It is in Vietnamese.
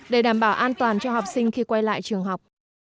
để đảm bảo an toàn cho học sinh khi quay lại trường học